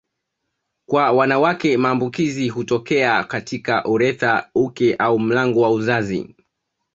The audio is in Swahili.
Kwa wanawake maambukizi hutokea katika urethra uke au mlango wa uzazi